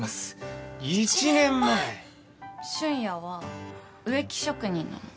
俊也は植木職人なの。